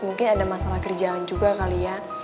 mungkin ada masalah kerjaan juga kali ya